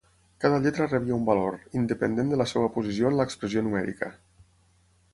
Cada lletra rebia un valor, independent de la seva posició en l'expressió numèrica.